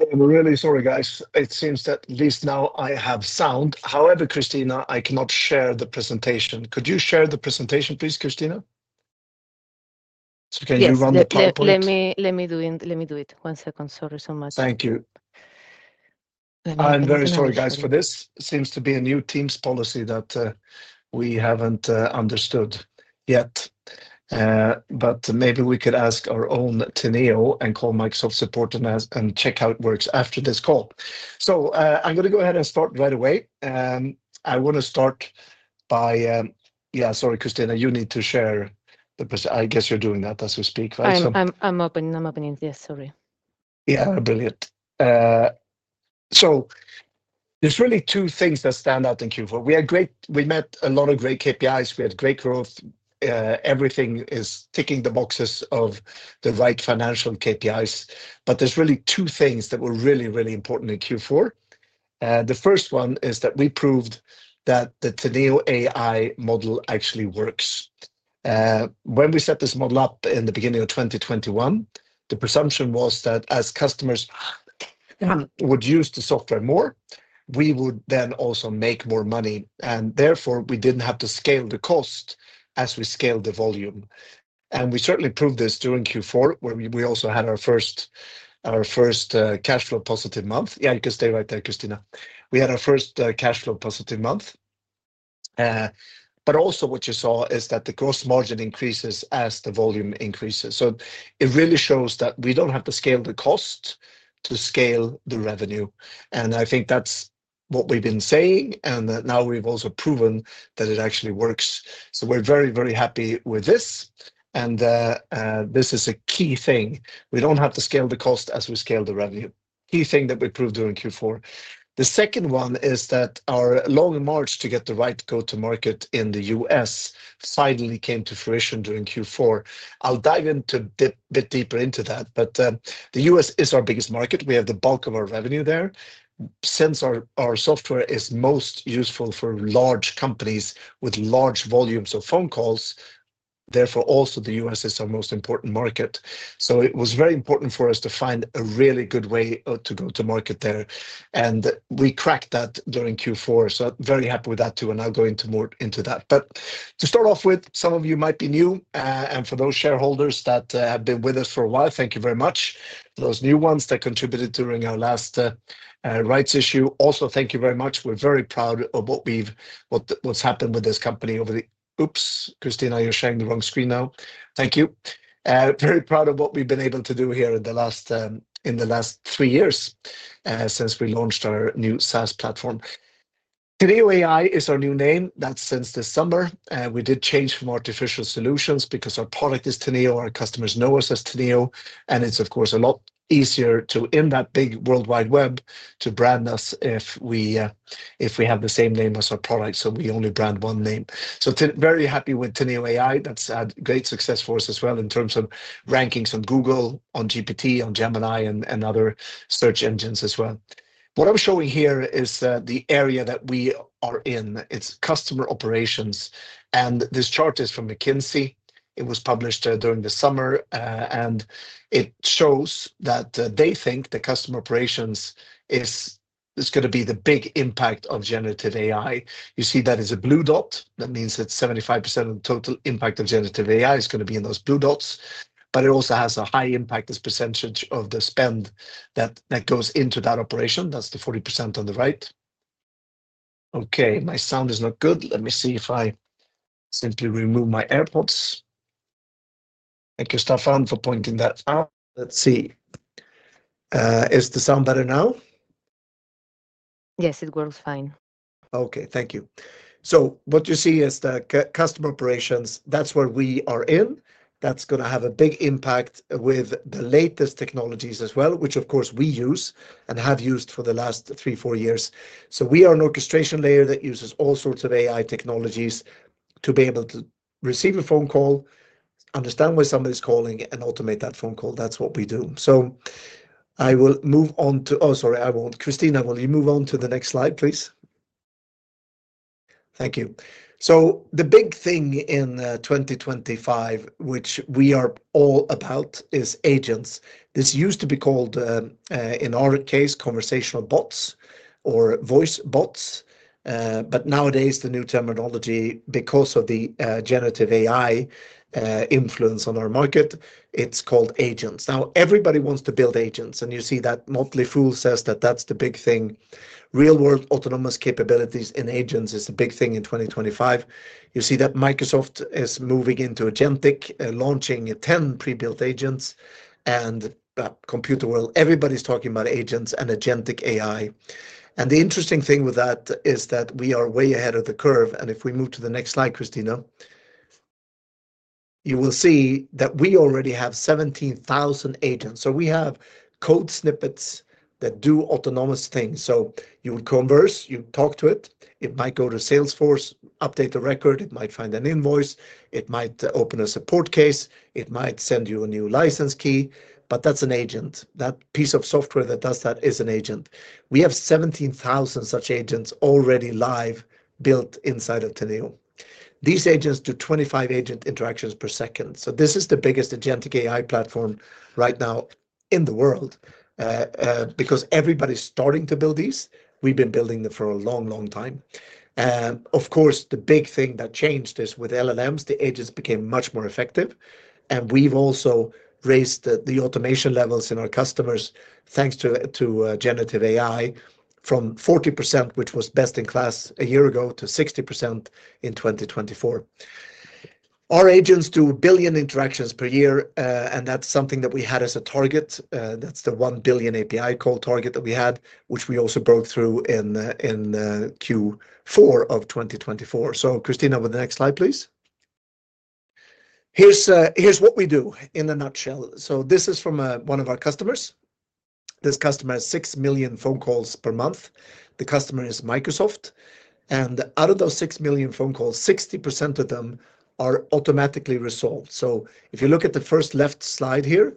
I am really sorry, guys. It seems that at least now I have sound. However, Christina, I cannot share the presentation. Could you share the presentation, please, Christina? Could you run the PowerPoint? Let me do it. One second. Sorry so much. Thank you. I'm very sorry, guys, for this. Seems to be a new Teams policy that we haven't understood yet. Maybe we could ask our own Teneo and call Microsoft Support and check how it works after this call. I'm going to go ahead and start right away. I want to start by, yeah, sorry, Christina, you need to share the presentation. I guess you're doing that as we speak, right? I'm opening it. Yes, sorry. Yeah, brilliant. There are really two things that stand out in Q4. We met a lot of great KPIs. We had great growth. Everything is ticking the boxes of the right financial KPIs. There are really two things that were really, really important in Q4. The first one is that we proved that the Teneo AI model actually works. When we set this model up in the beginning of 2021, the presumption was that as customers would use the software more, we would then also make more money. Therefore, we did not have to scale the cost as we scaled the volume. We certainly proved this during Q4, where we also had our first cash flow positive month. Yeah, you can stay right there, Christina. We had our first cash flow positive month. Also, what you saw is that the gross margin increases as the volume increases. It really shows that we don't have to scale the cost to scale the revenue. I think that's what we've been saying. Now we've also proven that it actually works. We're very, very happy with this. This is a key thing. We don't have to scale the cost as we scale the revenue. Key thing that we proved during Q4. The second one is that our long march to get the right go-to-market in the US finally came to fruition during Q4. I'll dive in a bit deeper into that. The US is our biggest market. We have the bulk of our revenue there. Since our software is most useful for large companies with large volumes of phone calls, therefore also the US is our most important market. It was very important for us to find a really good way to go-to-market there. We cracked that during Q4. Very happy with that too. I'll go into more into that. To start off with, some of you might be new. For those shareholders that have been with us for a while, thank you very much. For those new ones that contributed during our last rights issue, also thank you very much. We're very proud of what's happened with this company over the—oops, Christina, you're sharing the wrong screen now. Thank you. Very proud of what we've been able to do here in the last three years since we launched our new SaaS platform. Teneo AI is our new name. That's since this summer. We did change from Artificial Solutions because our product is Teneo. Our customers know us as Teneo. It is, of course, a lot easier to, in that big worldwide web, brand us if we have the same name as our product. We only brand one name. Very happy with Teneo AI. That has had great success for us as well in terms of rankings on Google, on GPT, on Gemini, and other search engines as well. What I am showing here is the area that we are in. It is customer operations. This chart is from McKinsey. It was published during the summer. It shows that they think that customer operations is going to be the big impact of generative AI. You see that as a blue dot. That means that 75% of the total impact of generative AI is going to be in those blue dots. It also has a high impact as percentage of the spend that goes into that operation. That's the 40% on the right. Okay, my sound is not good. Let me see if I simply remove my AirPods. Thank you, Stefan, for pointing that out. Let's see. Is the sound better now? Yes, it works fine. Okay, thank you. What you see is the customer operations. That is where we are in. That is going to have a big impact with the latest technologies as well, which, of course, we use and have used for the last three, four years. We are an orchestration layer that uses all sorts of AI technologies to be able to receive a phone call, understand why somebody is calling, and automate that phone call. That is what we do. I will move on to—oh, sorry, I will not. Christina, will you move on to the next slide, please? Thank you. The big thing in 2025, which we are all about, is agents. This used to be called, in our case, conversational bots or voice bots. Nowadays, the new terminology, because of the generative AI influence on our market, it is called agents. Now, everybody wants to build agents. You see that Motley Fool says that that's the big thing. Real-world autonomous capabilities in agents is a big thing in 2025. You see that Microsoft is moving into agentic, launching 10 pre-built agents. Computerworld, everybody's talking about agents and agentic AI. The interesting thing with that is that we are way ahead of the curve. If we move to the next slide, Christina, you will see that we already have 17,000 agents. We have code snippets that do autonomous things. You would converse, you talk to it. It might go to Salesforce, update the record. It might find an invoice. It might open a support case. It might send you a new license key. That's an agent. That piece of software that does that is an agent. We have 17,000 such agents already live built inside of Teneo. These agents do 25 agent interactions per second. This is the biggest agentic AI platform right now in the world because everybody's starting to build these. We've been building them for a long, long time. Of course, the big thing that changed is with LLMs. The agents became much more effective. We've also raised the automation levels in our customers thanks to generative AI from 40%, which was best in class a year ago, to 60% in 2024. Our agents do 1 billion interactions per year. That's something that we had as a target. That's the 1 billion API call target that we had, which we also broke through in Q4 of 2024. Christina, with the next slide, please. Here's what we do in a nutshell. This is from one of our customers. This customer has 6 million phone calls per month. The customer is Microsoft. Out of those 6 million phone calls, 60% of them are automatically resolved. If you look at the first left slide here,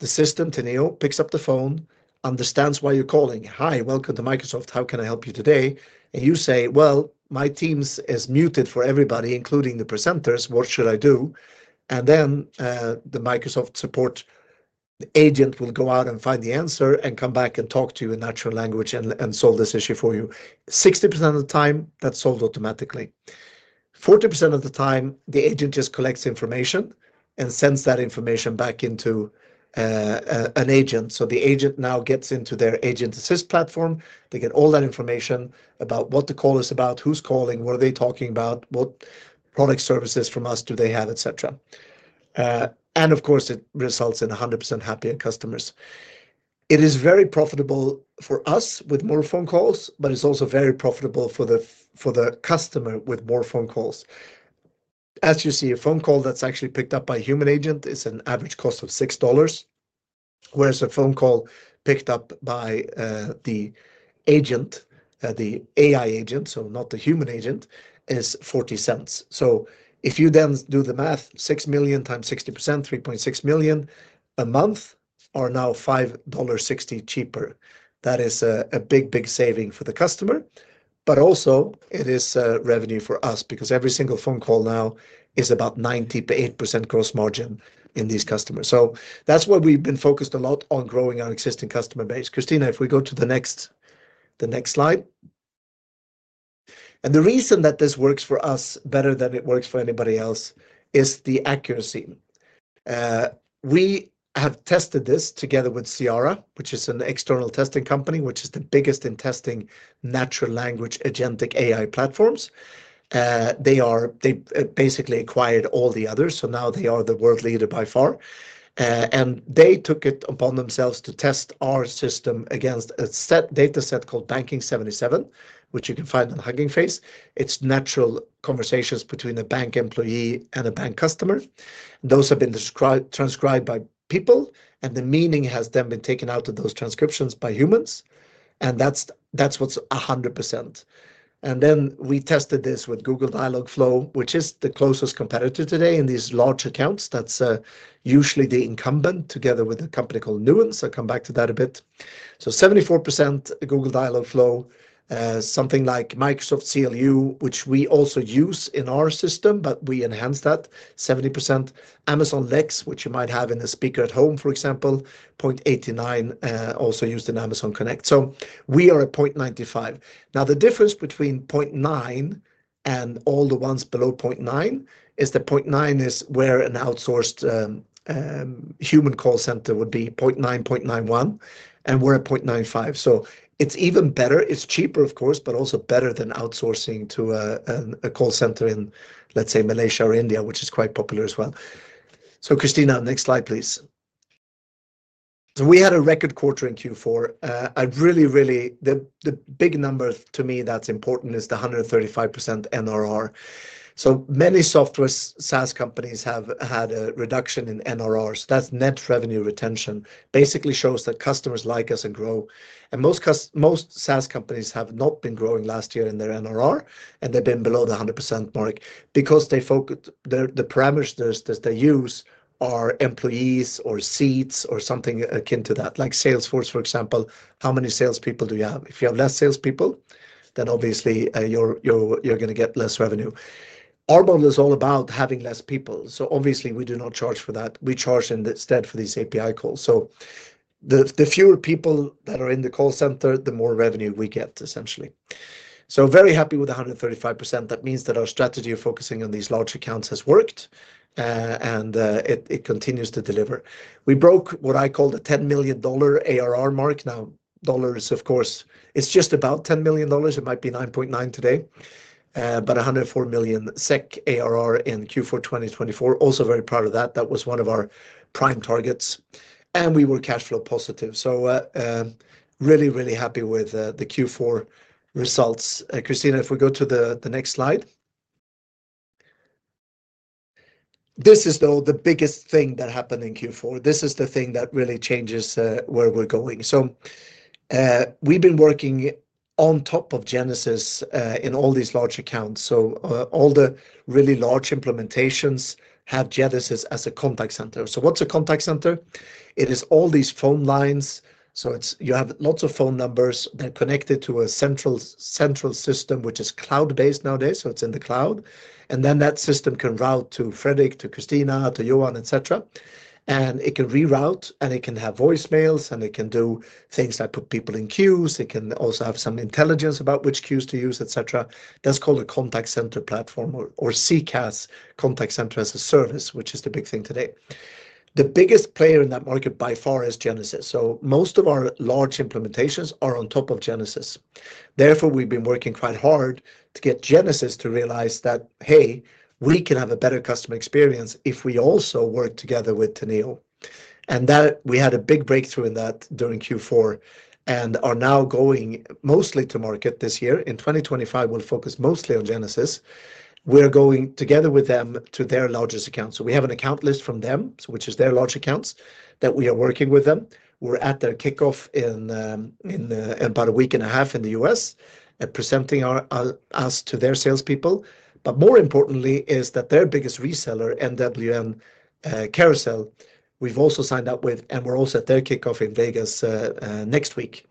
the system, Teneo, picks up the phone, understands why you're calling. "Hi, welcome to Microsoft. How can I help you today?" You say, "Well, my Teams is muted for everybody, including the presenters. What should I do?" The Microsoft support agent will go out and find the answer and come back and talk to you in natural language and solve this issue for you. 60% of the time, that's solved automatically. 40% of the time, the agent just collects information and sends that information back into an agent. The agent now gets into their agent assist platform. They get all that information about what the call is about, who's calling, what are they talking about, what product services from us do they have, etc. It results in 100% happier customers. It is very profitable for us with more phone calls, but it is also very profitable for the customer with more phone calls. As you see, a phone call that's actually picked up by a human agent is an average cost of $6, whereas a phone call picked up by the agent, the AI agent, so not the human agent, is $0.40. If you then do the math, 6 million times 60%, 3.6 million a month, are now $5.60 cheaper. That is a big, big saving for the customer. It is revenue for us because every single phone call now is about 98% gross margin in these customers. That is why we have been focused a lot on growing our existing customer base. Christina, if we go to the next slide. The reason that this works for us better than it works for anybody else is the accuracy. We have tested this together with Cyara, which is an external testing company, which is the biggest in testing natural language agentic AI platforms. They basically acquired all the others. Now they are the world leader by far. They took it upon themselves to test our system against a set dataset called Banking 77, which you can find on Hugging Face. It is natural conversations between a bank employee and a bank customer. Those have been transcribed by people, and the meaning has then been taken out of those transcriptions by humans. That is what is 100%. We tested this with Google Dialogflow, which is the closest competitor today in these large accounts. That's usually the incumbent together with a company called Nuance. I'll come back to that a bit. 74% Google Dialogflow, something like Microsoft CLU, which we also use in our system, but we enhance that 70%. Amazon Lex, which you might have in a speaker at home, for example, 0.89, also used in Amazon Connect. We are at 0.95. The difference between 0.9 and all the ones below 0.9 is that 0.9 is where an outsourced human call center would be, 0.9, 0.91, and we're at 0.95. It's even better. It's cheaper, of course, but also better than outsourcing to a call center in, let's say, Malaysia or India, which is quite popular as well. Christina, next slide, please. We had a record quarter in Q4. I really, really think the big number to me that's important is the 135% NRR. So many software SaaS companies have had a reduction in NRRs. That's net revenue retention. Basically shows that customers like us and grow. Most SaaS companies have not been growing last year in their NRR, and they've been below the 100% mark because the parameters they use are employees or seats or something akin to that, like Salesforce, for example. How many salespeople do you have? If you have less salespeople, then obviously you're going to get less revenue. Our model is all about having less people. Obviously, we do not charge for that. We charge instead for these API calls. The fewer people that are in the call center, the more revenue we get, essentially. Very happy with 135%. That means that our strategy of focusing on these large accounts has worked, and it continues to deliver. We broke what I call the $10 million ARR mark. Now, dollars, of course, it's just about $10 million. It might be $9.9 million today, but 104 million SEK ARR in Q4 2024. Also very proud of that. That was one of our prime targets. And we were cash flow positive. Really, really happy with the Q4 results. Christina, if we go to the next slide. This is, though, the biggest thing that happened in Q4. This is the thing that really changes where we're going. We have been working on top of Genesys in all these large accounts. All the really large implementations have Genesys as a contact center. What's a contact center? It is all these phone lines. You have lots of phone numbers that are connected to a central system, which is cloud-based nowadays. It is in the cloud. That system can route to Fredrik, to Christina, to Joan, etc. It can reroute, and it can have voicemails, and it can do things like put people in queues. It can also have some intelligence about which queues to use, etc. That is called a contact center platform or CCaaS, contact center as a service, which is the big thing today. The biggest player in that market by far is Genesys. Most of our large implementations are on top of Genesys. Therefore, we have been working quite hard to get Genesys to realize that, hey, we can have a better customer experience if we also work together with Teneo. We had a big breakthrough in that during Q4 and are now going mostly to market this year. In 2025, we'll focus mostly on Genesys. We're going together with them to their largest accounts. We have an account list from them, which is their large accounts that we are working with them. We're at their kickoff in about a week and a half in the US and presenting us to their salespeople. More importantly is that their biggest reseller, NWN Carousel, we've also signed up with, and we're also at their kickoff in Las Vegas next week.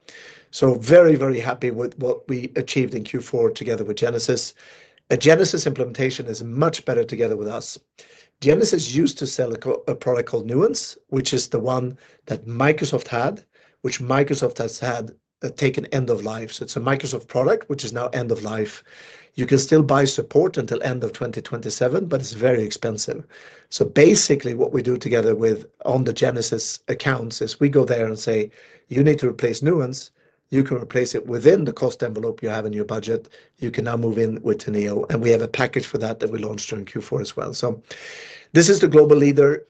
Very, very happy with what we achieved in Q4 together with Genesys. A Genesys implementation is much better together with us. Genesys used to sell a product called Nuance, which is the one that Microsoft had, which Microsoft has taken end of life. It is a Microsoft product, which is now end of life. You can still buy support until end of 2027, but it is very expensive. Basically, what we do together with on the Genesys accounts is we go there and say, "You need to replace Nuance. You can replace it within the cost envelope you have in your budget. You can now move in with Teneo." We have a package for that that we launched during Q4 as well. This is the global leader.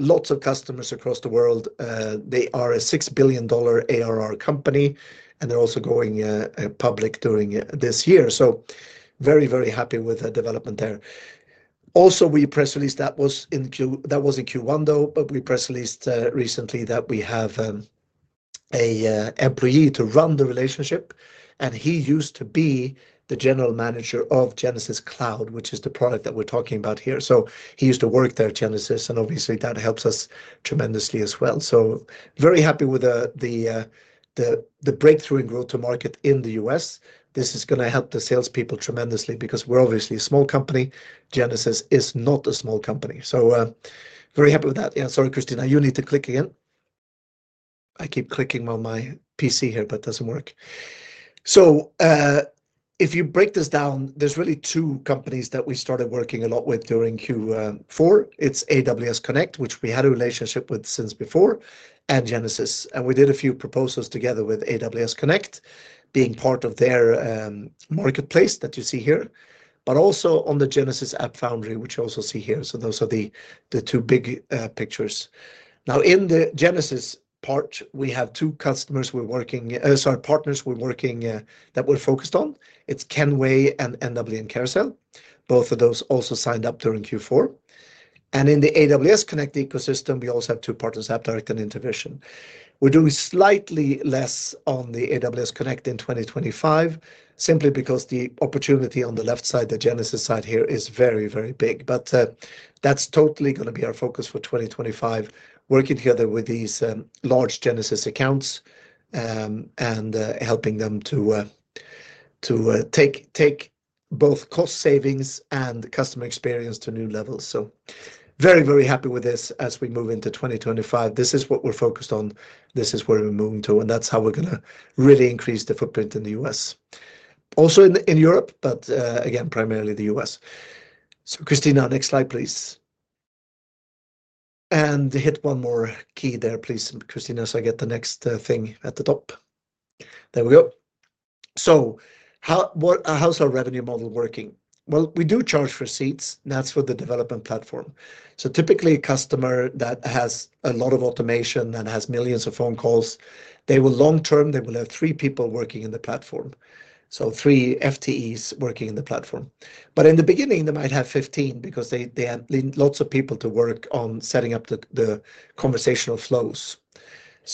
Lots of customers across the world. They are a $6 billion ARR company, and they are also going public during this year. Very, very happy with the development there. Also, we press released. That was in Q1, though, but we press released recently that we have an employee to run the relationship, and he used to be the general manager of Genesys Cloud, which is the product that we're talking about here. He used to work there, Genesys, and obviously, that helps us tremendously as well. Very happy with the breakthrough in growth to market in the US. This is going to help the salespeople tremendously because we're obviously a small company. Genesys is not a small company. Very happy with that. Yeah, sorry, Christina. You need to click again. I keep clicking on my PC here, but it does not work. If you break this down, there are really two companies that we started working a lot with during Q4. It is AWS Connect, which we had a relationship with since before, and Genesys. We did a few proposals together with AWS Connect being part of their marketplace that you see here, but also on the Genesys AppFoundry, which you also see here. Those are the two big pictures. In the Genesys part, we have two partners we're working that we're focused on. It's Kenway and NWN Carousel. Both of those also signed up during Q4. In the AWS Connect ecosystem, we also have two partners, AppDirect and Intervision. We're doing slightly less on the AWS Connect in 2025, simply because the opportunity on the left side, the Genesys side here, is very, very big. That is totally going to be our focus for 2025, working together with these large Genesys accounts and helping them to take both cost savings and customer experience to new levels. Very, very happy with this as we move into 2025. This is what we're focused on. This is where we're moving to, and that's how we're going to really increase the footprint in the US. Also in Europe, but again, primarily the US. Christina, next slide, please. Hit one more key there, please, Christina, so I get the next thing at the top. There we go. How's our revenue model working? We do charge for seats. That's for the development platform. Typically, a customer that has a lot of automation and has millions of phone calls, long term, they will have three people working in the platform. Three FTEs working in the platform. In the beginning, they might have 15 because they need lots of people to work on setting up the conversational flows.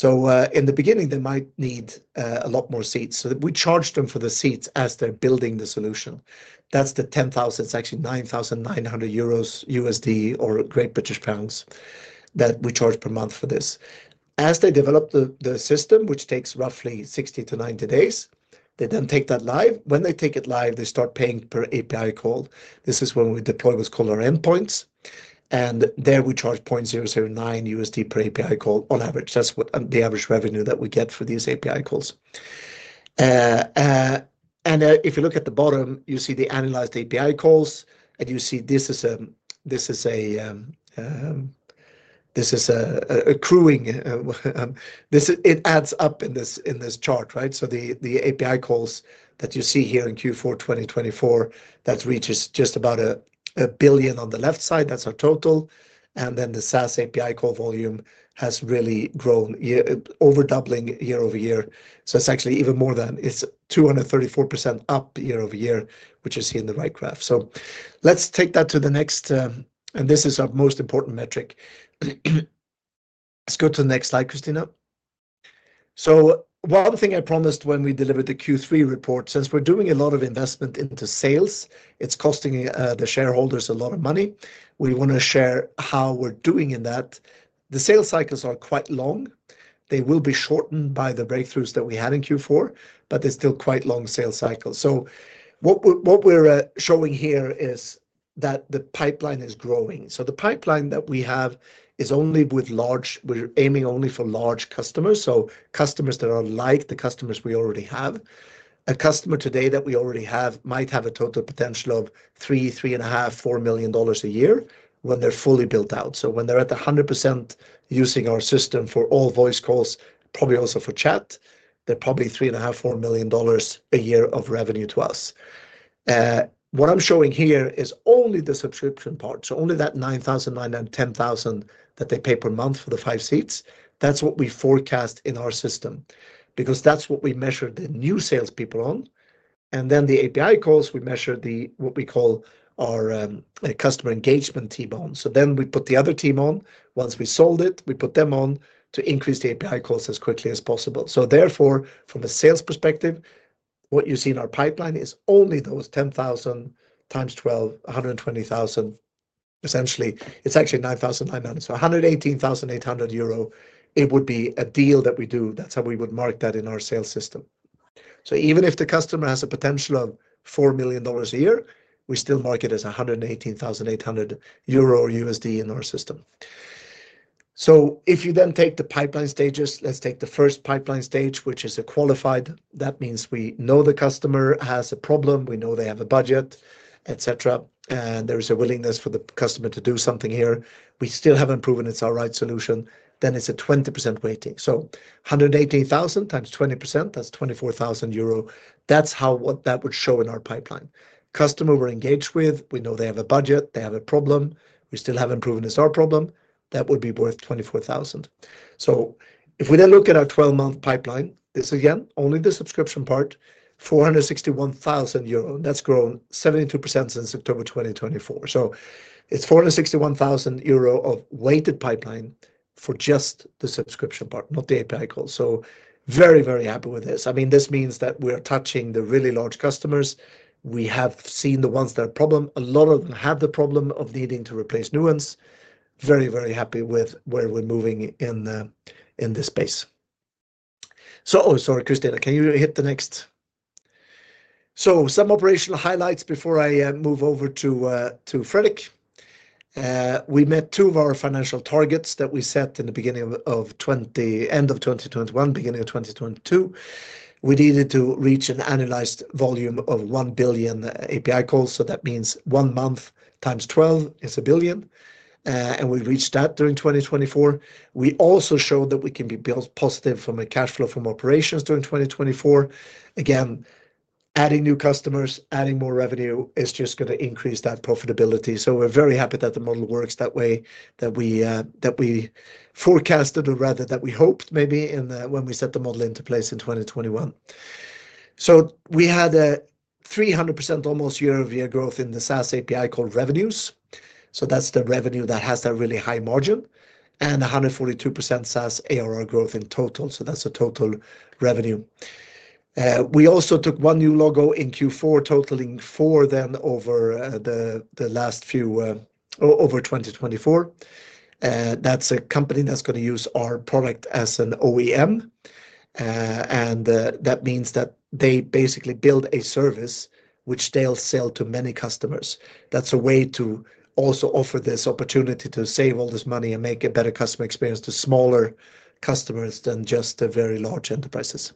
In the beginning, they might need a lot more seats. We charge them for the seats as they're building the solution. That's the 10,000, it's actually 9,900 euros, USD, or GBP that we charge per month for this. As they develop the system, which takes roughly 60-90 days, they then take that live. When they take it live, they start paying per API call. This is when we deploy what's called our endpoints. There we charge $0.009 per API call on average. That's the average revenue that we get for these API calls. If you look at the bottom, you see the analyzed API calls, and you see this is accruing. It adds up in this chart, right? The API calls that you see here in Q4 2024, that reaches just about a billion on the left side. That's our total. The SaaS API call volume has really grown, overdoubling year over year. It's actually even more than, it's 234% up year over year, which you see in the right graph. Let's take that to the next, and this is our most important metric. Let's go to the next slide, Christina. One thing I promised when we delivered the Q3 report, since we're doing a lot of investment into sales, it's costing the shareholders a lot of money. We want to share how we're doing in that. The sales cycles are quite long. They will be shortened by the breakthroughs that we had in Q4, but they're still quite long sales cycles. What we're showing here is that the pipeline is growing. The pipeline that we have is only with large, we're aiming only for large customers. Customers that are like the customers we already have. A customer today that we already have might have a total potential of $3 million, $3.5 million, $4 million a year when they're fully built out. When they're at 100% using our system for all voice calls, probably also for chat, they're probably $3.5 million-$4 million a year of revenue to us. What I'm showing here is only the subscription part. Only that $9,000, $9,000, $10,000 that they pay per month for the five seats. That's what we forecast in our system because that's what we measure the new salespeople on. The API calls, we measure what we call our customer engagement team on. Then we put the other team on. Once we sold it, we put them on to increase the API calls as quickly as possible. Therefore, from a sales perspective, what you see in our pipeline is only those 10,000 times 12, 120,000, essentially. It is actually 9,000, 9,000. So 118,800 euro, it would be a deal that we do. That is how we would mark that in our sales system. Even if the customer has a potential of $4 million a year, we still mark it as 118,800 euro or USD in our system. If you then take the pipeline stages, let's take the first pipeline stage, which is a qualified. That means we know the customer has a problem. We know they have a budget, etc. And there is a willingness for the customer to do something here. We still have not proven it is our right solution. It is a 20% weighting. So 118,000 times 20%, that is 24,000 euro. That is how that would show in our pipeline. Customer we are engaged with, we know they have a budget, they have a problem. We still have not proven it is our problem. That would be worth 24,000. If we then look at our 12-month pipeline, this again, only the subscription part, 461,000 euro. That has grown 72% since October 2024. It is 461,000 euro of weighted pipeline for just the subscription part, not the API call. Very, very happy with this. I mean, this means that we are touching the really large customers. We have seen the ones that have a problem. A lot of them have the problem of needing to replace Nuance. Very, very happy with where we are moving in this space. Sorry, Christina, can you hit the next? Some operational highlights before I move over to Fredrik. We met two of our financial targets that we set in the beginning of end of 2021, beginning of 2022. We needed to reach an annualized volume of 1 billion API calls. That means one month times 12 is a billion. We reached that during 2024. We also showed that we can be built positive from a cash flow from operations during 2024. Again, adding new customers, adding more revenue is just going to increase that profitability. We are very happy that the model works that way, that we forecasted, or rather that we hoped maybe when we set the model into place in 2021. We had a 300% almost year-over-year growth in the SaaS API call revenues. That is the revenue that has that really high margin and 142% SaaS ARR growth in total. That's the total revenue. We also took one new logo in Q4, totaling four then over the last few, over 2024. That's a company that's going to use our product as an OEM. That means that they basically build a service which they'll sell to many customers. That's a way to also offer this opportunity to save all this money and make a better customer experience to smaller customers than just the very large enterprises.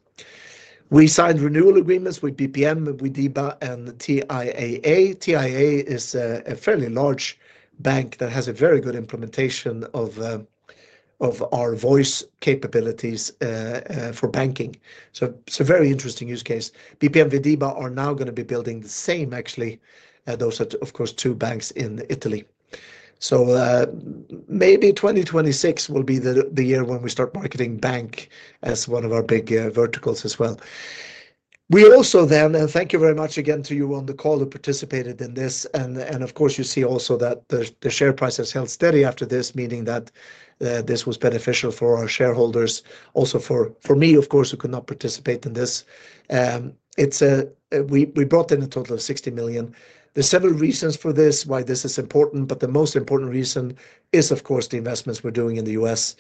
We signed renewal agreements with BPM, with Widiba, and TIAA. TIAA is a fairly large bank that has a very good implementation of our voice capabilities for banking. It's a very interesting use case. BPM and Widiba are now going to be building the same, actually. Those are, of course, two banks in Italy. Maybe 2026 will be the year when we start marketing bank as one of our big verticals as well. We also then, and thank you very much again to you on the call who participated in this. Of course, you see also that the share price has held steady after this, meaning that this was beneficial for our shareholders. Also for me, of course, who could not participate in this. We brought in a total of 60 million. There are several reasons for this, why this is important, but the most important reason is, of course, the investments we are doing in the US.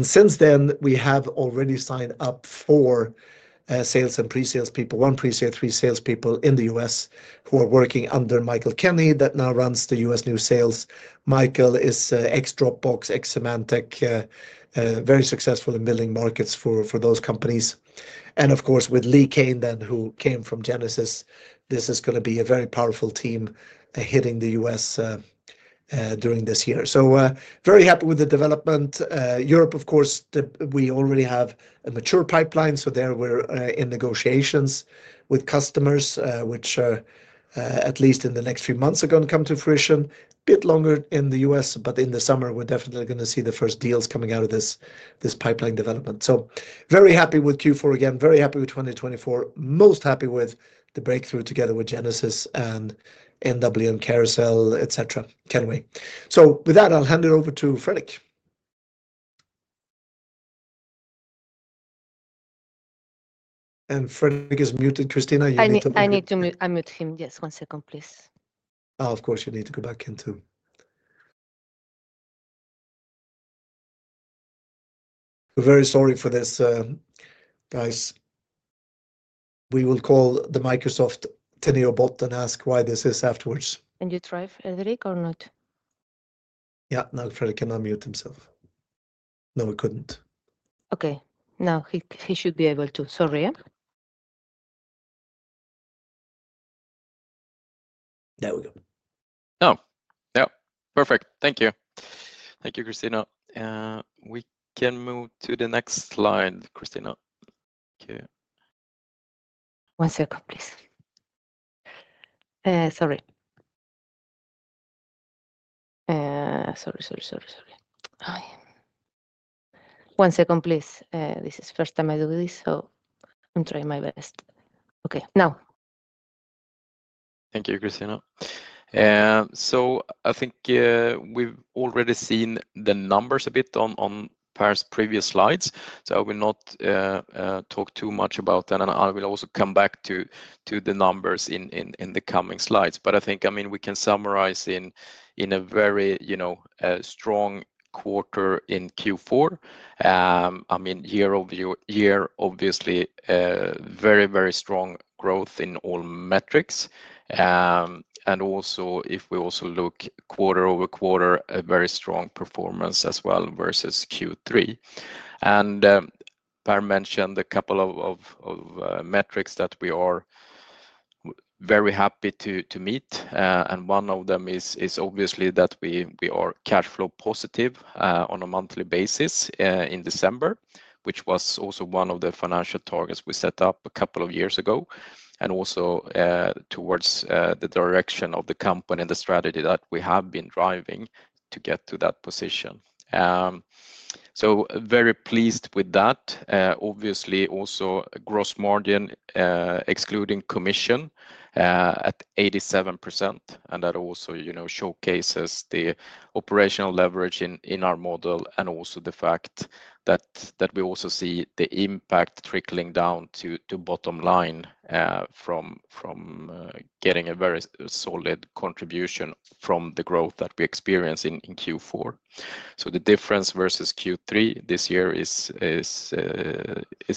Since then, we have already signed up for sales and pre-sales people, one pre-sale, three salespeople in the US who are working under Michael Kenney that now runs the US new sales. Michael is ex-Dropbox, ex-Symantec, very successful in billing markets for those companies. Of course, with Lee Kayne then, who came from Genesys, this is going to be a very powerful team hitting the US during this year. Very happy with the development. Europe, of course, we already have a mature pipeline. There we are in negotiations with customers, which at least in the next few months are going to come to fruition. A bit longer in the US, but in the summer, we are definitely going to see the first deals coming out of this pipeline development. Very happy with Q4 again, very happy with 2024. Most happy with the breakthrough together with Genesys and NWN Carousel, Kenway. With that, I'll hand it over to Fredrik. Fredrik is muted, Christina. I need to mute him. Yes, one second, please. Oh, of course, you need to go back into. Very sorry for this, guys. We will call the Microsoft Teneo Bot and ask why this is afterwards. Can you try, Fredrik, or not? Yeah, now Fredrik cannot mute himself. No, he could not. Okay, now he should be able to. Sorry, yeah? There we go. Oh, yeah, perfect. Thank you. Thank you, Christina. We can move to the next slide, Christina. Okay. One second, please. Sorry. Sorry, sorry, sorry, sorry. One second, please. This is the first time I do this, so I am trying my best. Okay, now. Thank you, Christina. I think we have already seen the numbers a bit on Per's previous slides. I will not talk too much about that. I will also come back to the numbers in the coming slides. I think, I mean, we can summarize in a very strong quarter in Q4. I mean, year-over-year, obviously, very, very strong growth in all metrics. If we also look quarter over quarter, a very strong performance as well versus Q3. Per mentioned a couple of metrics that we are very happy to meet. One of them is obviously that we are cash flow positive on a monthly basis in December, which was also one of the financial targets we set up a couple of years ago. Also towards the direction of the company and the strategy that we have been driving to get to that position. Very pleased with that. Obviously, also gross margin, excluding commission, at 87%. That also showcases the operational leverage in our model and the fact that we also see the impact trickling down to bottom line from getting a very solid contribution from the growth that we experience in Q4. The difference versus Q3 this year is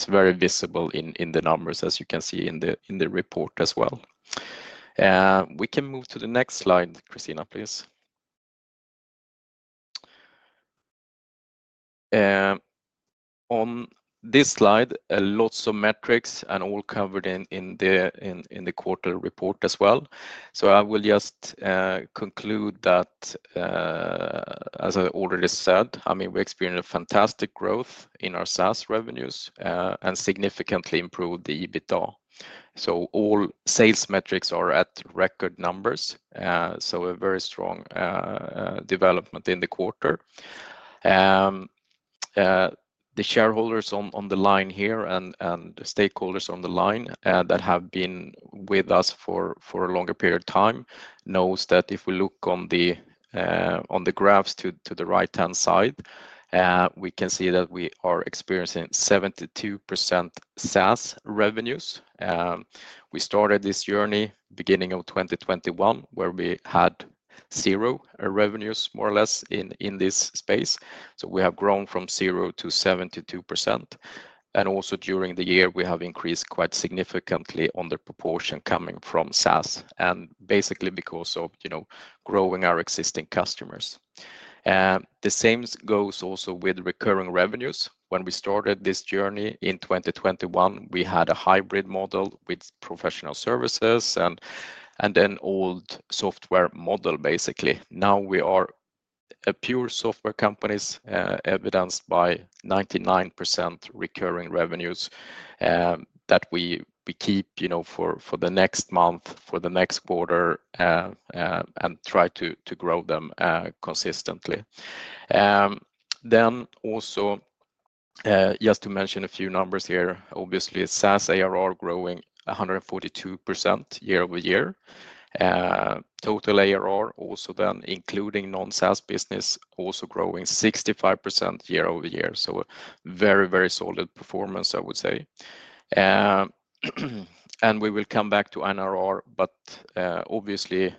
very visible in the numbers, as you can see in the report as well. We can move to the next slide, Christina, please. On this slide, lots of metrics and all covered in the quarter report as well. I will just conclude that, as I already said, I mean, we experienced fantastic growth in our SaaS revenues and significantly improved the EBITDA. All sales metrics are at record numbers. A very strong development in the quarter. The shareholders on the line here and the stakeholders on the line that have been with us for a longer period of time knows that if we look on the graphs to the right-hand side, we can see that we are experiencing 72% SaaS revenues. We started this journey beginning of 2021, where we had zero revenues, more or less, in this space. We have grown from zero to 72%. Also during the year, we have increased quite significantly on the proportion coming from SaaS and basically because of growing our existing customers. The same goes also with recurring revenues. When we started this journey in 2021, we had a hybrid model with professional services and then old software model, basically. Now we are a pure software company, evidenced by 99% recurring revenues that we keep for the next month, for the next quarter, and try to grow them consistently. Also, just to mention a few numbers here, obviously, SaaS ARR growing 142% year-over-year. Total ARR, also then including non-SaaS business, also growing 65% year-over-year. Very, very solid performance, I would say. We will come back to NRR, but obviously,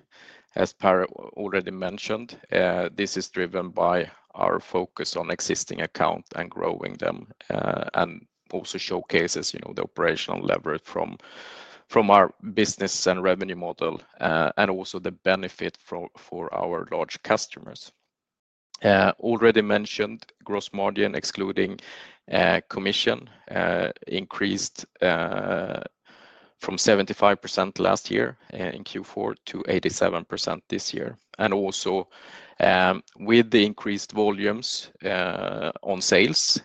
as Per already mentioned, this is driven by our focus on existing account and growing them and also showcases the operational leverage from our business and revenue model and also the benefit for our large customers. Already mentioned gross margin, excluding commission, increased from 75% last year in Q4 to 87% this year. Also with the increased volumes on sales,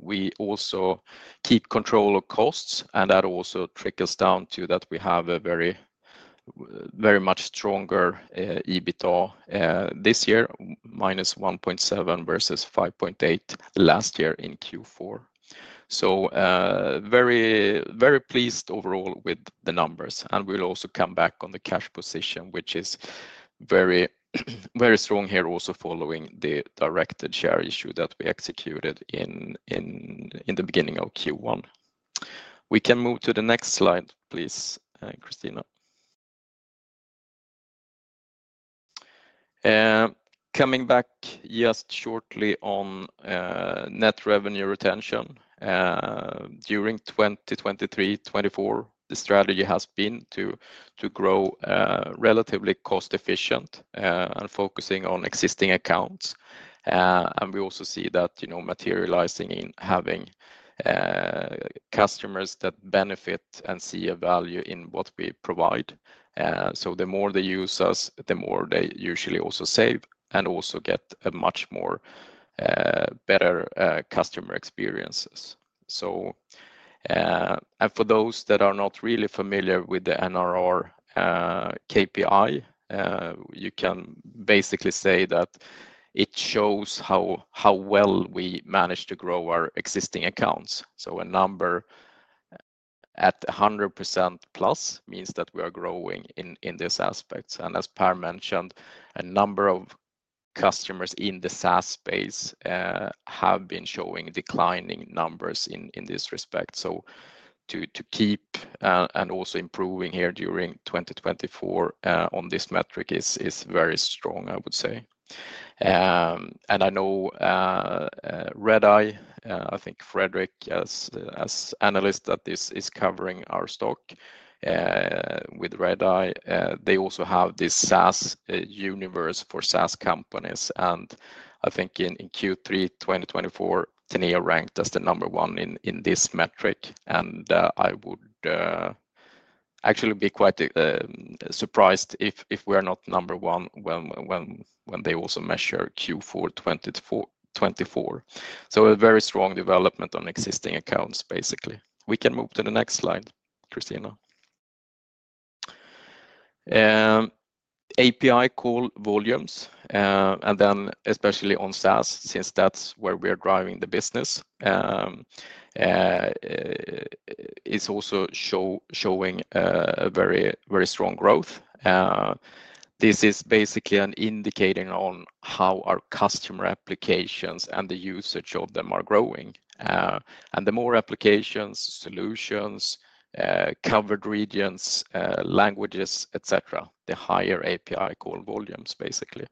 we also keep control of costs. That also trickles down to that we have a very much stronger EBITDA this year, minus $1.7 million versus $5.8 million last year in Q4. Very pleased overall with the numbers. We will also come back on the cash position, which is very strong here also following the directed share issue that we executed in the beginning of Q1. We can move to the next slide, please, Christina. Coming back just shortly on net revenue retention during 2023-2024, the strategy has been to grow relatively cost-efficient and focusing on existing accounts. We also see that materializing in having customers that benefit and see a value in what we provide. The more they use us, the more they usually also save and also get a much more better customer experiences. For those that are not really familiar with the NRR KPI, you can basically say that it shows how well we manage to grow our existing accounts. A number at 100% plus means that we are growing in this aspect. As Per mentioned, a number of customers in the SaaS space have been showing declining numbers in this respect. To keep and also improving here during 2024 on this metric is very strong, I would say. I know Redeye, I think Fredrik as analyst that is covering our stock with Redeye, they also have this SaaS universe for SaaS companies. I think in Q3 2024, Teneo ranked as the number one in this metric. I would actually be quite surprised if we are not number one when they also measure Q4 2024. A very strong development on existing accounts, basically. We can move to the next slide, Christina. API call volumes, and then especially on SaaS, since that's where we are driving the business, is also showing a very strong growth. This is basically an indicator on how our customer applications and the usage of them are growing. The more applications, solutions, covered regions, languages, etc., the higher API call volumes, basically.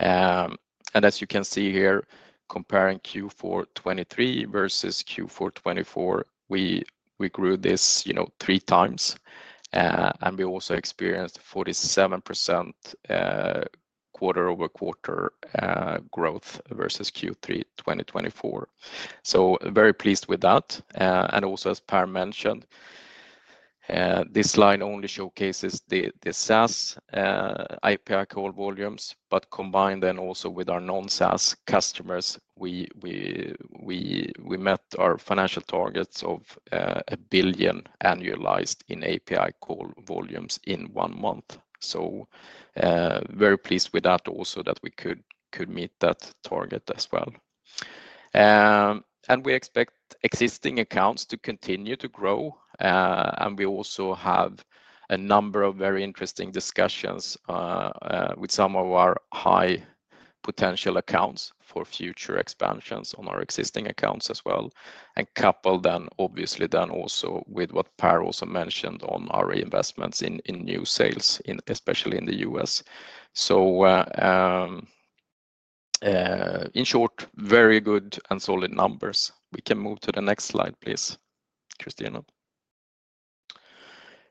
As you can see here, comparing Q4 2023 versus Q4 2024, we grew this three times. We also experienced 47% quarter-over-quarter growth versus Q3 2024. Very pleased with that. As Per mentioned, this line only showcases the SaaS API call volumes, but combined with our non-SaaS customers, we met our financial targets of $1 billion annualized in API call volumes in one month. Very pleased with that also, that we could meet that target as well. We expect existing accounts to continue to grow. We also have a number of very interesting discussions with some of our high potential accounts for future expansions on our existing accounts as well. Coupled, obviously, with what Per also mentioned on our reinvestments in new sales, especially in the US. In short, very good and solid numbers. We can move to the next slide, please,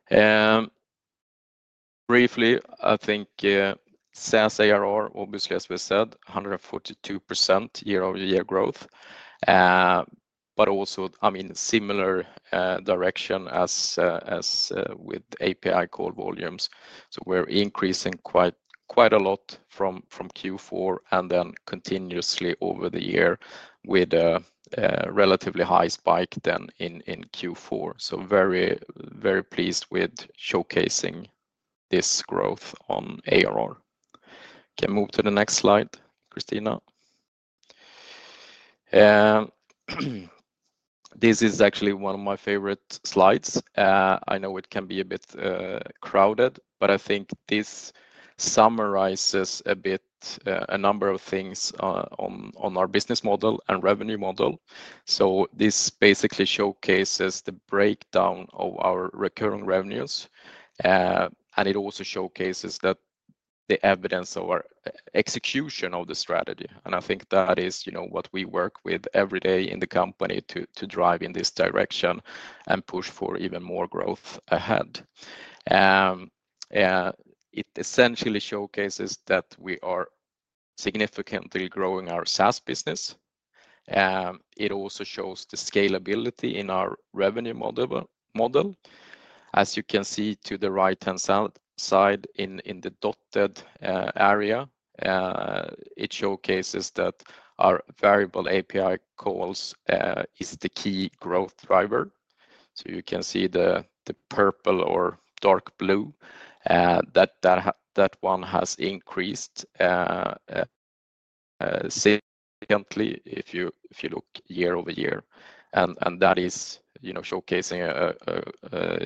Christina. Briefly, I think SaaS ARR, obviously, as we said, 142% year-over-year growth. Also, I mean, similar direction as with API call volumes. We are increasing quite a lot from Q4 and then continuously over the year with a relatively high spike in Q4. Very pleased with showcasing this growth on ARR. Can move to the next slide, Christina. This is actually one of my favorite slides. I know it can be a bit crowded, but I think this summarizes a bit a number of things on our business model and revenue model. This basically showcases the breakdown of our recurring revenues. It also showcases the evidence of our execution of the strategy. I think that is what we work with every day in the company to drive in this direction and push for even more growth ahead. It essentially showcases that we are significantly growing our SaaS business. It also shows the scalability in our revenue model. As you can see to the right-hand side in the dotted area, it showcases that our variable API calls is the key growth driver. You can see the purple or dark blue, that one has increased significantly if you look year-over-year. That is showcasing a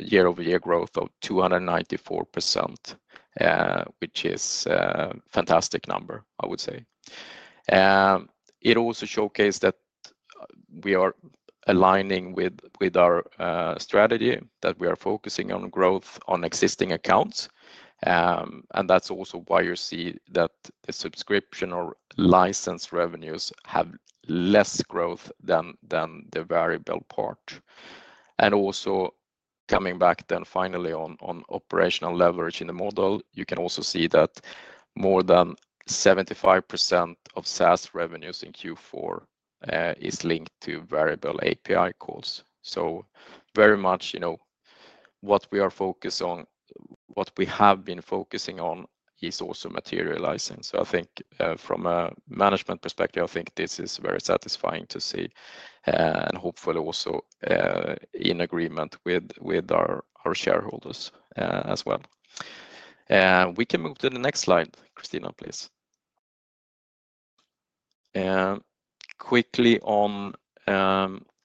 year-over-year growth of 294%, which is a fantastic number, I would say. It also showcased that we are aligning with our strategy, that we are focusing on growth on existing accounts. That is also why you see that the subscription or license revenues have less growth than the variable part. Also coming back then finally on operational leverage in the model, you can see that more than 75% of SaaS revenues in Q4 is linked to variable API calls. Very much what we are focused on, what we have been focusing on is also materializing. I think from a management perspective, I think this is very satisfying to see and hopefully also in agreement with our shareholders as well. We can move to the next slide, Christina, please. Quickly on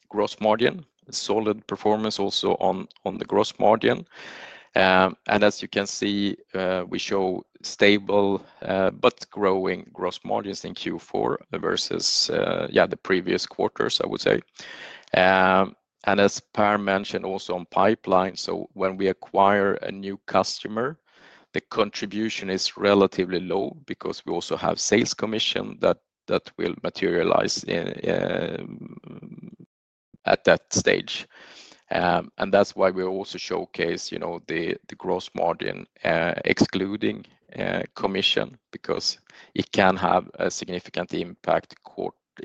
gross margin, solid performance also on the gross margin. As you can see, we show stable but growing gross margins in Q4 versus the previous quarters, I would say. As Per mentioned also on pipeline, when we acquire a new customer, the contribution is relatively low because we also have sales commission that will materialize at that stage. That is why we also showcase the gross margin excluding commission because it can have a significant impact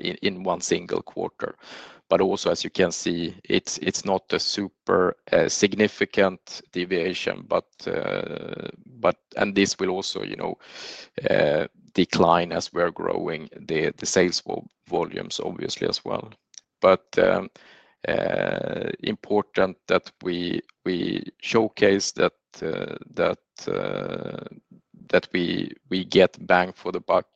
in one single quarter. Also, as you can see, it's not a super significant deviation, and this will also decline as we are growing the sales volumes, obviously, as well. Important that we showcase that we get bang for the buck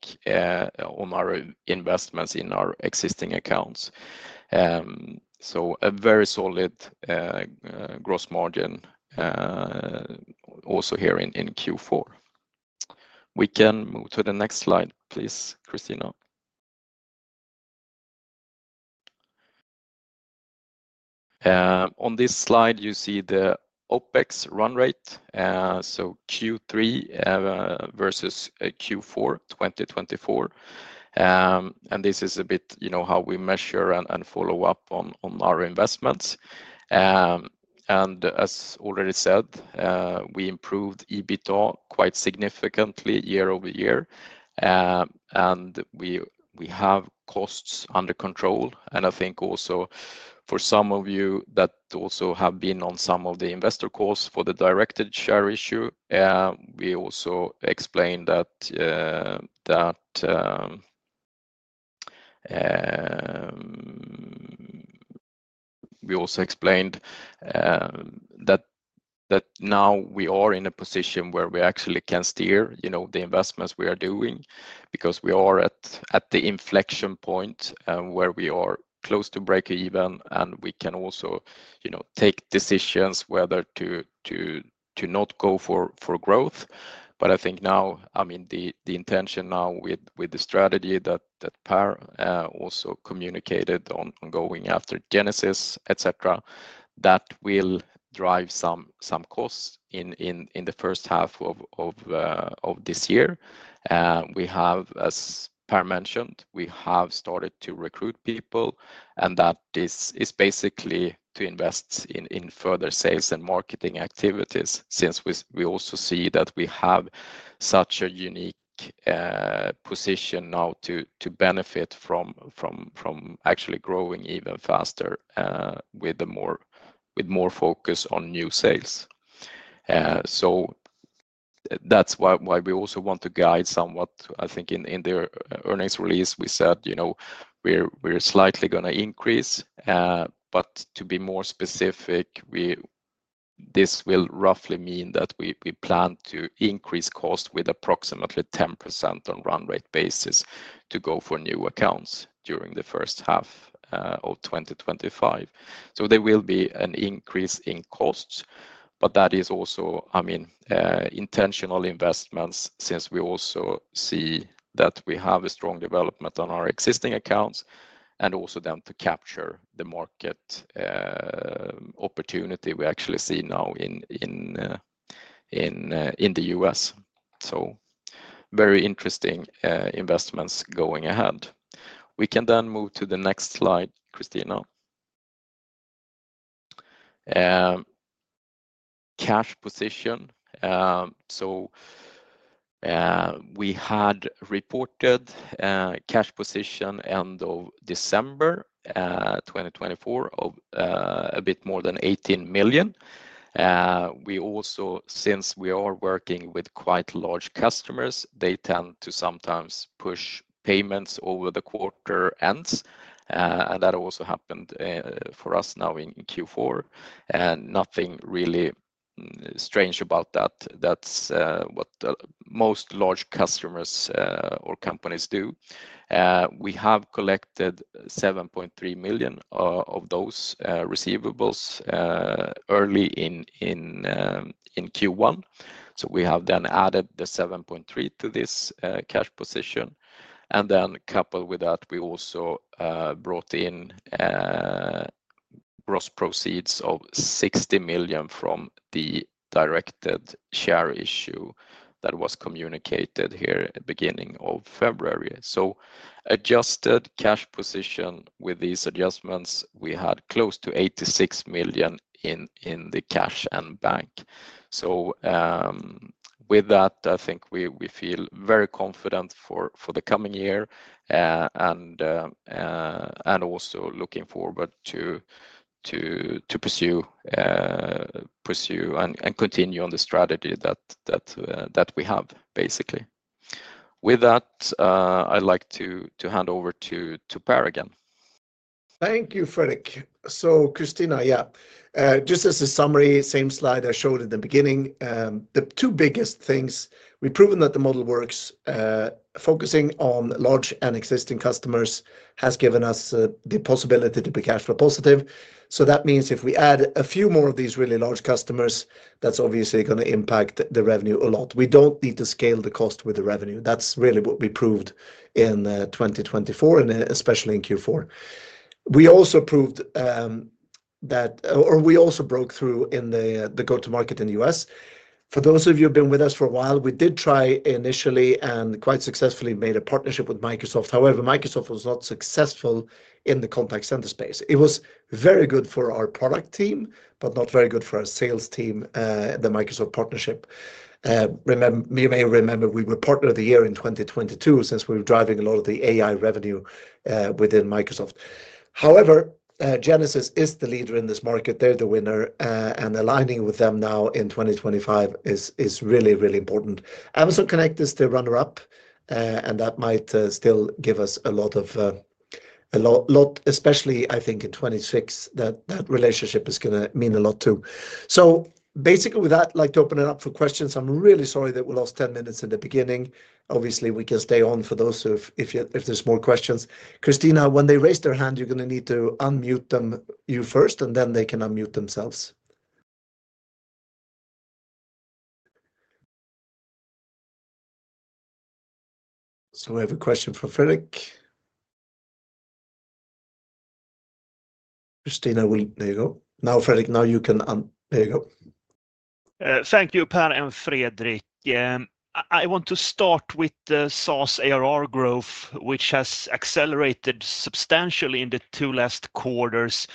on our investments in our existing accounts. A very solid gross margin also here in Q4. We can move to the next slide, please, Christina. On this slide, you see the OPEX run rate, so Q3 versus Q4 2024. This is a bit how we measure and follow up on our investments. As already said, we improved EBITDA quite significantly year-over-year. We have costs under control. I think also for some of you that also have been on some of the investor calls for the directed share issue, we also explained that now we are in a position where we actually can steer the investments we are doing because we are at the inflection point where we are close to break even. We can also take decisions whether to not go for growth. I think now, I mean, the intention now with the strategy that Per also communicated on going after Genesys, etc., that will drive some costs in the first half of this year. We have, as Per mentioned, started to recruit people. That is basically to invest in further sales and marketing activities since we also see that we have such a unique position now to benefit from actually growing even faster with more focus on new sales. That is why we also want to guide somewhat. I think in the earnings release, we said we're slightly going to increase. To be more specific, this will roughly mean that we plan to increase costs with approximately 10% on a run rate basis to go for new accounts during the first half of 2025. There will be an increase in costs. That is also, I mean, intentional investments since we also see that we have a strong development on our existing accounts and also then to capture the market opportunity we actually see now in the US. Very interesting investments going ahead. We can then move to the next slide, Christina. Cash position. We had reported cash position end of December 2024 of a bit more than 18 million. Since we are working with quite large customers, they tend to sometimes push payments over the quarter ends. That also happened for us now in Q4. Nothing really strange about that. That is what most large customers or companies do. We have collected 7.3 million of those receivables early in Q1. We have then added the 7.3 million to this cash position. Coupled with that, we also brought in gross proceeds of 60 million from the directed share issue that was communicated here at the beginning of February. Adjusted cash position with these adjustments, we had close to 86 million in the cash and bank. With that, I think we feel very confident for the coming year and also looking forward to pursue and continue on the strategy that we have, basically. With that, I'd like to hand over to Per again. Thank you, Fredrik. Christina, just as a summary, same slide I showed at the beginning, the two biggest things, we've proven that the model works, focusing on large and existing customers has given us the possibility to be cash flow positive. That means if we add a few more of these really large customers, that's obviously going to impact the revenue a lot. We don't need to scale the cost with the revenue. That's really what we proved in 2024, and especially in Q4. We also proved that, or we also broke through in the go-to-market in the US. For those of you who have been with us for a while, we did try initially and quite successfully made a partnership with Microsoft. However, Microsoft was not successful in the contact center space. It was very good for our product team, but not very good for our sales team, the Microsoft partnership. You may remember we were partner of the year in 2022 since we were driving a lot of the AI revenue within Microsoft. However, Genesys is the leader in this market. They are the winner. Aligning with them now in 2025 is really, really important. Amazon Connect is the runner-up, and that might still give us a lot of, especially, I think in 2026, that relationship is going to mean a lot too. Basically with that, I would like to open it up for questions. I am really sorry that we lost 10 minutes in the beginning. Obviously, we can stay on for those if there's more questions. Christina, when they raise their hand, you're going to need to unmute them first, and then they can unmute themselves. We have a question from Fredrik. Christina, there you go. Now, Fredrik, now you can unmute. There you go. Thank you, Per and Fredrik. I want to start with SaaS ARR growth, which has accelerated substantially in the two last quarters.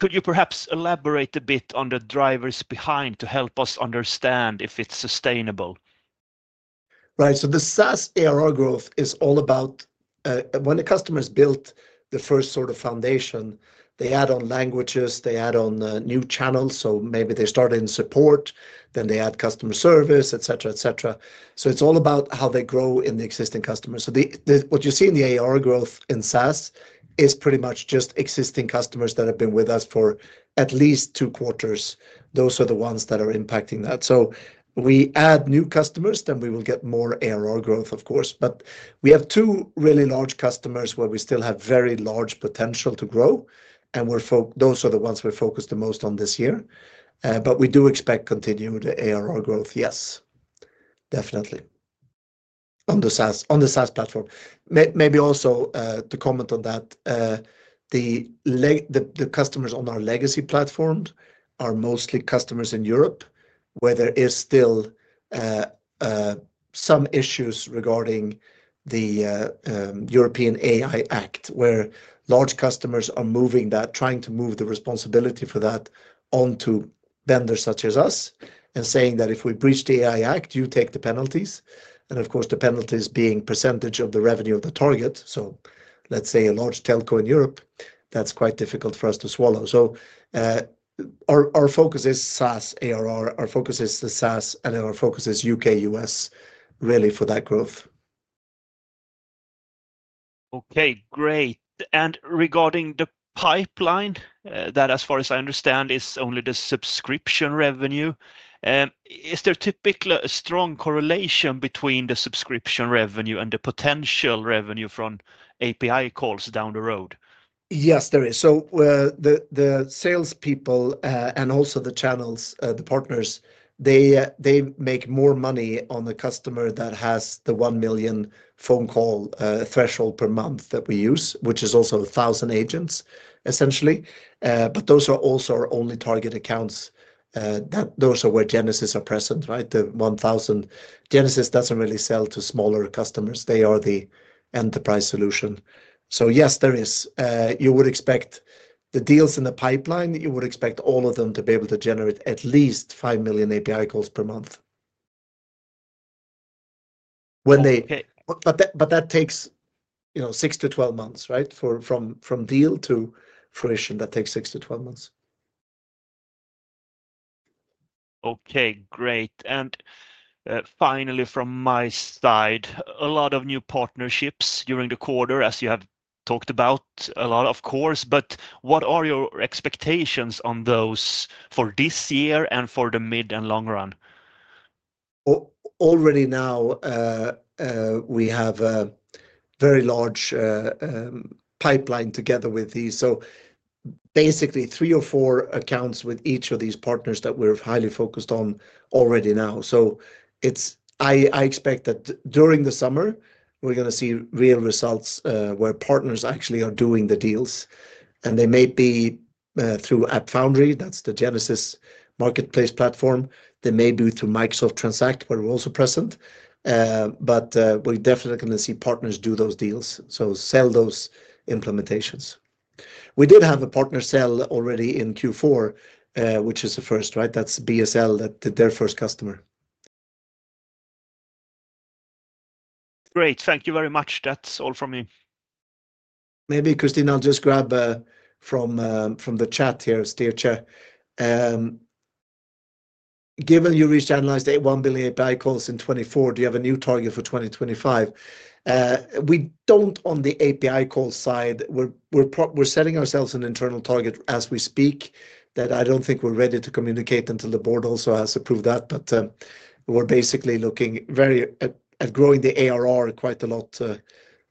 Could you perhaps elaborate a bit on the drivers behind to help us understand if it's sustainable? Right. The SaaS ARR growth is all about when the customer has built the first sort of foundation, they add on languages, they add on new channels. Maybe they start in support, then they add customer service, etc., etc. It's all about how they grow in the existing customers. What you see in the ARR growth in SaaS is pretty much just existing customers that have been with us for at least two quarters. Those are the ones that are impacting that. We add new customers, then we will get more ARR growth, of course. We have two really large customers where we still have very large potential to grow. Those are the ones we focus the most on this year. We do expect continued ARR growth, yes, definitely, on the SaaS platform. Maybe also to comment on that, the customers on our legacy platforms are mostly customers in Europe, where there are still some issues regarding the European AI Act, where large customers are moving that, trying to move the responsibility for that onto vendors such as us and saying that if we breach the AI Act, you take the penalties. Of course, the penalty is being a percentage of the revenue of the target. Let's say a large telco in Europe, that's quite difficult for us to swallow. Our focus is SaaS ARR. Our focus is the SaaS, and our focus is U.K., U.S., really, for that growth. Okay, great. Regarding the pipeline, that as far as I understand, is only the subscription revenue. Is there typically a strong correlation between the subscription revenue and the potential revenue from API calls down the road? Yes, there is. The salespeople and also the channels, the partners, they make more money on the customer that has the 1 million phone call threshold per month that we use, which is also 1,000 agents, essentially. Those are also our only target accounts. Those are where Genesys are present, right? The 1,000 Genesys doesn't really sell to smaller customers. They are the enterprise solution. Yes, there is. You would expect the deals in the pipeline, you would expect all of them to be able to generate at least 5 million API calls per month. That takes 6-12 months, right? From deal to fruition, that takes 6-12 months. Okay, great. Finally, from my side, a lot of new partnerships during the quarter, as you have talked about a lot, of course. What are your expectations on those for this year and for the mid and long run? Already now, we have a very large pipeline together with these. Basically three or four accounts with each of these partners that we are highly focused on already now. I expect that during the summer, we are going to see real results where partners actually are doing the deals. They may be through AppFoundry, that's the Genesys marketplace platform. They may be through Microsoft Transact, where we're also present. We're definitely going to see partners do those deals, so sell those implementations. We did have a partner sell already in Q4, which is the first, right? That's BESL, their first customer. Great. Thank you very much. That's all from me. Maybe, Christina, I'll just grab from the chat here, Steer chat. Given you reached analyzed 1 billion API calls in 2024, do you have a new target for 2025? We don't on the API call side. We're setting ourselves an internal target as we speak that I don't think we're ready to communicate until the board also has approved that. We're basically looking very at growing the ARR quite a lot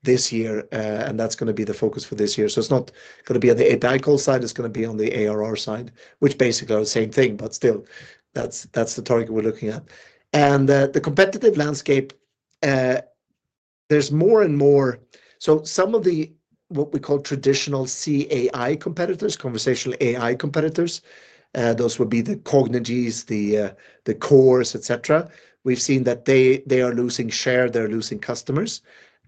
this year. That's going to be the focus for this year. It is not going to be on the API call side. It is going to be on the ARR side, which basically are the same thing. Still, that is the target we are looking at. The competitive landscape, there is more and more. Some of what we call traditional CAI competitors, conversational AI competitors, those would be the Cognigy, the Kore.ai, etc. We have seen that they are losing share. They are losing customers.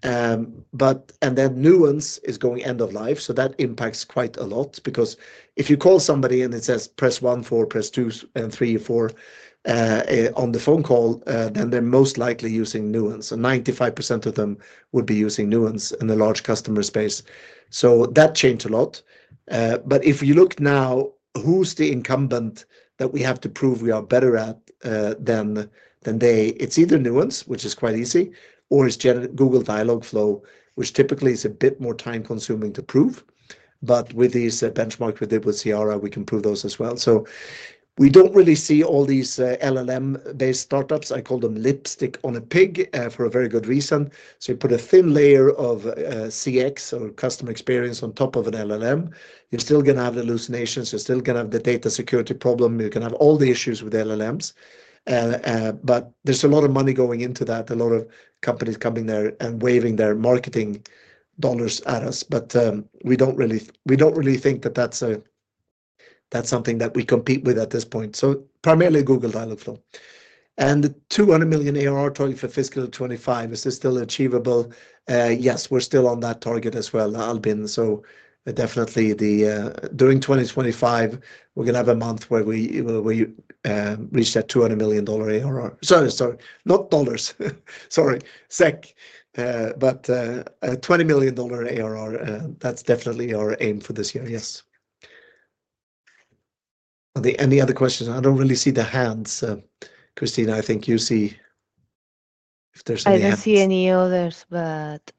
Nuance is going end of life. That impacts quite a lot because if you call somebody and it says, "Press one for press two and three or four on the phone call," then they are most likely using Nuance. Ninety-five percent of them would be using Nuance in the large customer space. That changed a lot. If you look now, who is the incumbent that we have to prove we are better at than they? It's either Nuance, which is quite easy, or it's Google Dialogflow, which typically is a bit more time-consuming to prove. With these benchmarks we did with Cyara, we can prove those as well. We don't really see all these LLM-based startups. I call them lipstick on a pig for a very good reason. You put a thin layer of CX or customer experience on top of an LLM. You're still going to have hallucinations. You're still going to have the data security problem. You can have all the issues with LLMs. There's a lot of money going into that, a lot of companies coming there and waving their marketing dollars at us. We don't really think that that's something that we compete with at this point. Primarily Google Dialogflow. The $200 million ARR target for fiscal 2025, is this still achievable? Yes, we're still on that target as well, Albin. Definitely during 2025, we're going to have a month where we reach that SEK 200 million ARR. Sorry, sorry. Not dollars. Sorry. SEK. But SEK 20 million ARR, that's definitely our aim for this year, yes. Any other questions? I don't really see the hands. Christina, I think you see if there's any hands. I don't see any others, but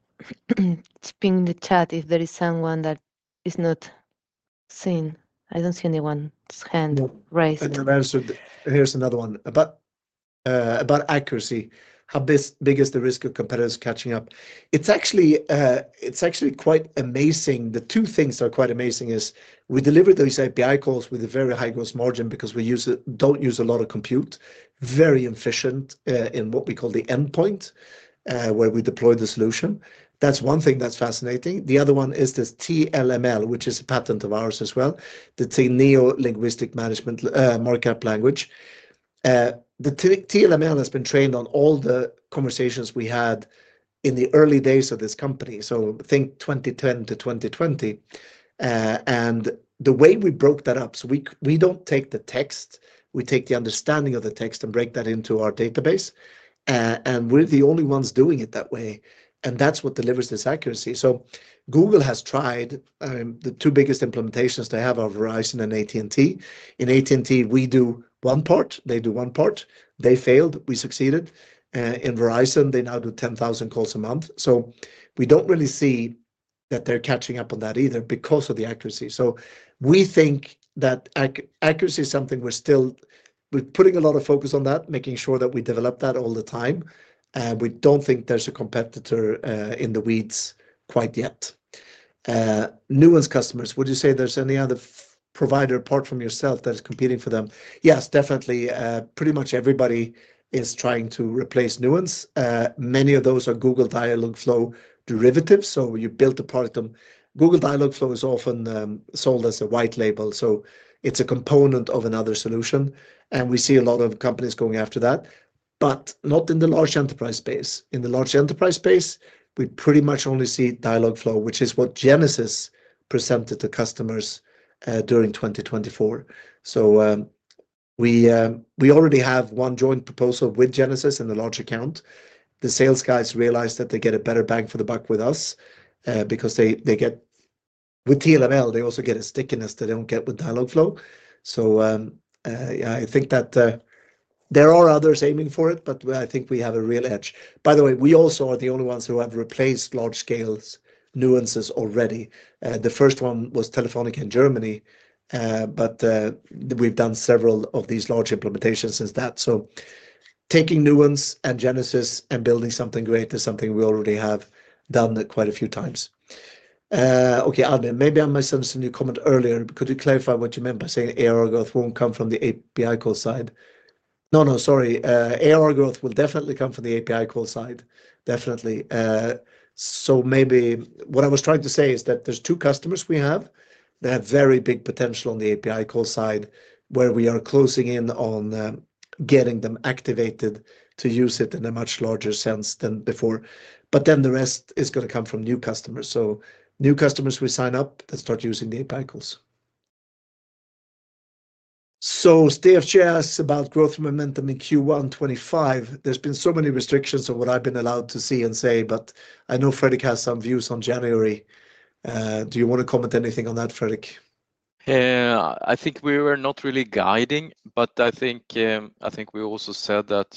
it's being the chat if there is someone that is not seen. I don't see anyone's hand raised. Here's another one. About accuracy, how big is the risk of competitors catching up? It's actually quite amazing. The two things that are quite amazing is we deliver those API calls with a very high gross margin because we don't use a lot of compute, very efficient in what we call the endpoint where we deploy the solution. That's one thing that's fascinating. The other one is this TLML, which is a patent of ours as well, the Teneo Linguistic Modeling Language. The TLML has been trained on all the conversations we had in the early days of this company, so think 2010 to 2020. The way we broke that up, we do not take the text, we take the understanding of the text and break that into our database. We are the only ones doing it that way. That is what delivers this accuracy. Google has tried, the two biggest implementations they have are Verizon and AT&T. In AT&T, we do one part, they do one part, they failed, we succeeded. In Verizon, they now do 10,000 calls a month. We do not really see that they are catching up on that either because of the accuracy. We think that accuracy is something we're still putting a lot of focus on, making sure that we develop that all the time. We don't think there's a competitor in the weeds quite yet. Nuance customers, would you say there's any other provider apart from yourself that is competing for them? Yes, definitely. Pretty much everybody is trying to replace Nuance. Many of those are Google Dialogflow derivatives. You build a product on Google Dialogflow, it is often sold as a white label, so it's a component of another solution. We see a lot of companies going after that, but not in the large enterprise space. In the large enterprise space, we pretty much only see Dialogflow, which is what Genesys presented to customers during 2024. We already have one joint proposal with Genesys in the large account. The sales guys realized that they get a better bang for the buck with us because they get with TLML, they also get a stickiness they don't get with Dialogflow. I think that there are others aiming for it, but I think we have a real edge. By the way, we also are the only ones who have replaced large-scale Nuance already. The first one was Telefónica in Germany, but we've done several of these large implementations since that. Taking Nuance and Genesys and building something great is something we already have done quite a few times. Okay, Albin maybe I might have sent some new comment earlier. Could you clarify what you meant by saying ARR growth won't come from the API call side? No, no, sorry. ARR growth will definitely come from the API call side, definitely. Maybe what I was trying to say is that there's two customers we have. They have very big potential on the API call side where we are closing in on getting them activated to use it in a much larger sense than before. The rest is going to come from new customers. New customers we sign up that start using the API calls. So shares about growth momentum in Q1 2025. There's been so many restrictions on what I've been allowed to see and say, but I know Fredrik has some views on January. Do you want to comment anything on that, Fredrik? I think we were not really guiding, but I think we also said that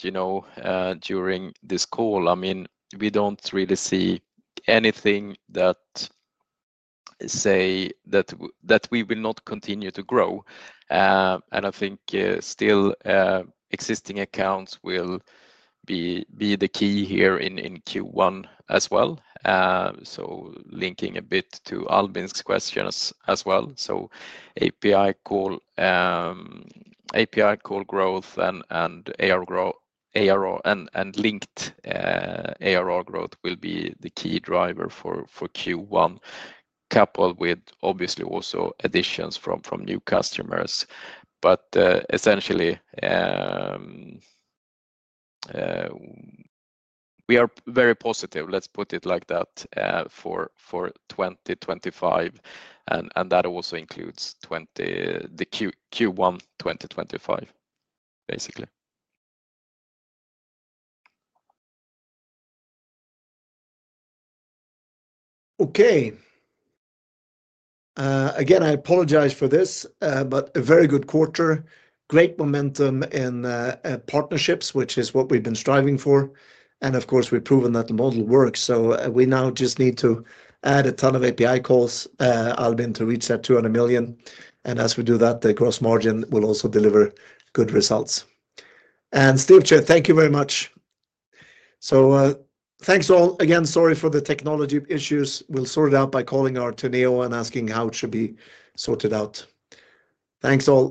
during this call, I mean, we don't really see anything that says that we will not continue to grow. I think still existing accounts will be the key here in Q1 as well. Linking a bit to Albin's questions as well, API call growth and ARR and linked ARR growth will be the key driver for Q1, coupled with obviously also additions from new customers. Essentially, we are very positive, let's put it like that, for 2025. That also includes the Q1 2025, basically. Okay. Again, I apologize for this, but a very good quarter, great momentum in partnerships, which is what we've been striving for. Of course, we've proven that the model works. We now just need to add a ton of API calls, Albin, to reach that 200 million. As we do that, the gross margin will also deliver good results. Steer chat, thank you very much. Thanks all again. Sorry for the technology issues. We'll sort it out by calling our Teneo and asking how it should be sorted out. Thanks all.